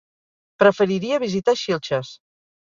Preferiria visitar Xilxes.